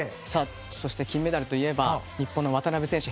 そして金メダルといえば日本の渡部選手